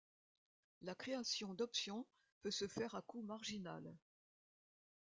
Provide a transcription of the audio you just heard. La création d’options peut se faire à coût marginal.